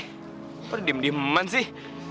kok udah diem diem man sih